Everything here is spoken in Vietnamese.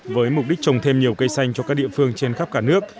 với mục đích trồng thêm nhiều cây xanh cho các địa phương trên khắp cả nước